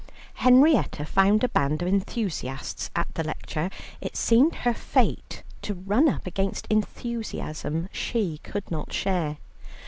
Henrietta found a band of enthusiasts at the lecture; it seemed her fate to run up against enthusiasm she could not share.